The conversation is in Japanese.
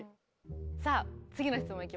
さあ次の質問いきます。